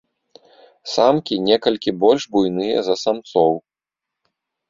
Самкі некалькі больш буйныя за самцоў.